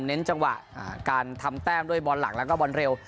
เน้นจังหวะการทำแต้มด้วยบอลหลังแล้วก็บอลเร็ว